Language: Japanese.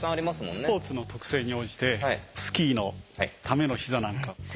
スポーツの特性に応じてスキーのための膝なんか。